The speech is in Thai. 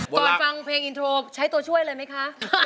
ฟังเพลงอินโทรใช้ตัวช่วยเลยไหมคะ